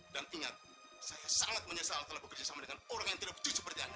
dan ingat saya sangat menyesal telah bekerjasama dengan orang yang tidak begitu seperti anda